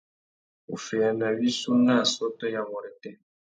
Wuffeyana wissú nà assôtô ya wôrêtê.